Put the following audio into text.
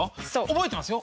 覚えてますよ！